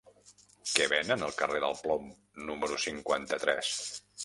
Què venen al carrer del Plom número cinquanta-tres?